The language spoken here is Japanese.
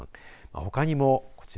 ほかにも、こちら。